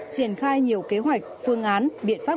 triển khai nhiều kế hoạch phương án biện pháp